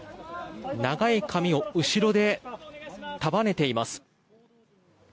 長い髪を後ろで束ねています。